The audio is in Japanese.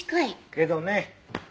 けどね